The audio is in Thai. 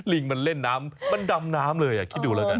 ลิงมันเล่นน้ำมันดำน้ำเลยคิดดูแล้วกัน